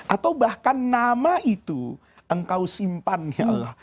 atau bahkan nama itu engkau simpan ya allah